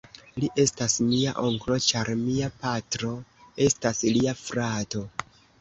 Li estas mia onklo, ĉar mia patro estas lia frato.